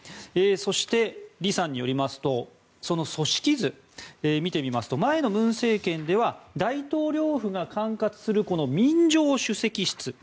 そして、李さんによりますとその組織図を見てみますと前の文政権では大統領府が管轄する民情首席室。